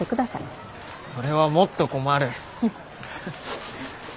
それはもっと困る。